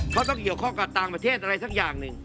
เพราะต้องเกี่ยวข้องกับต่างประเทศอะไรสักอย่างหนึ่ง